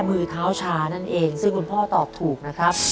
ประชานั่นเองซึ่งคุณพ่อตอบถูกนะครับ